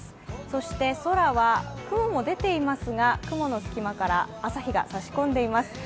そして、空は雲も出ていますが雲のすき間から朝日が差し込んでいます。